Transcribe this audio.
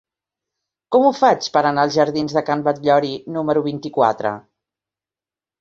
Com ho faig per anar als jardins de Can Batllori número vint-i-quatre?